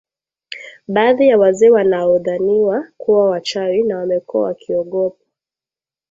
Baadhi ya wazee wanaodhaniwa kuwa wachawi na wamekuwa wakiogopwa